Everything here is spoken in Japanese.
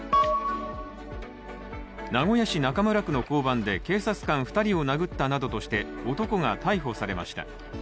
名古屋市中村区の交番で警察官２人を殴ったなどとして男が逮捕されました。